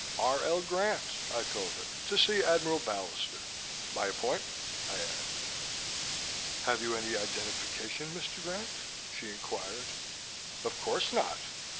"R. L. Grant," I told her. "To see Admiral Ballister. By appointment," I added. "Have you any identification, Mr. Grant?" she inquired. "Of course not.